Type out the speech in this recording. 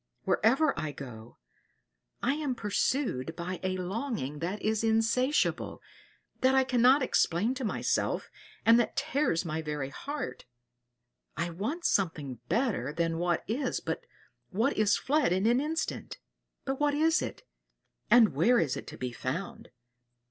Wherever I go, I am pursued by a longing that is insatiable that I cannot explain to myself, and that tears my very heart. I want something better than what is but what is fled in an instant. But what is it, and where is it to be found?